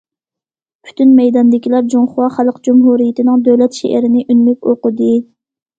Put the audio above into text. پۈتۈن مەيداندىكىلەر جۇڭخۇا خەلق جۇمھۇرىيىتىنىڭ دۆلەت شېئىرىنى ئۈنلۈك ئوقۇدى.